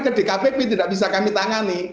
ke dkpp tidak bisa kami tangani